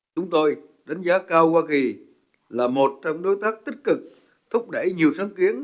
chúng tôi đánh giá cao hoa kỳ là một trong đối tác tích cực thúc đẩy nhiều sáng kiến